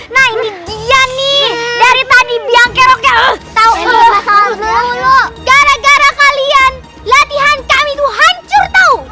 nah ini dia nih dari tadi biangke rokel tahu gara gara kalian latihan kami tuh hancur tahu